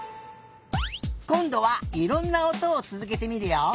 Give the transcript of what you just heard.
こんどはいろんなおとをつづけてみるよ。